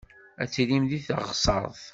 Ad tilim deg teɣsert.